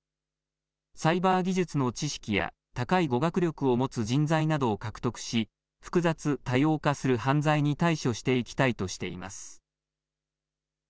サイバー技術の知識や高い語学力を持つ人材などを獲得し複雑・多様化する犯罪に対処していきたいとしています。